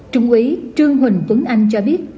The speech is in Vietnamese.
trung úy trương huỳnh tuấn anh cho biết